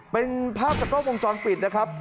เป็นภาพจากกล้องวงจรปิดนะครับ